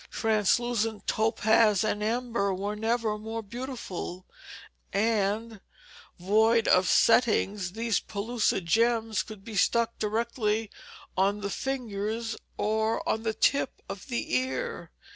Translucent topaz and amber were never more beautiful, and, void of settings, these pellucid gems could be stuck directly on the fingers or on the tip of the ear.